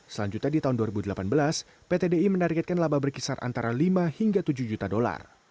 selanjutnya di tahun dua ribu delapan belas pt di menargetkan laba berkisar antara lima hingga tujuh juta dolar